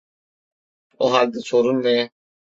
O halde sorun ne?